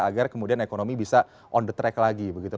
agar kemudian ekonomi bisa on the track lagi begitu